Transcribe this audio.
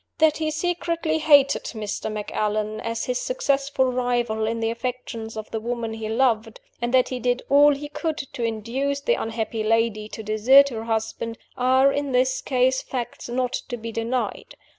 That he secretly hated Mr. Macallan, as his successful rival in the affections of the woman he loved and that he did all he could to induce the unhappy lady to desert her husband are, in this case, facts not to be denied.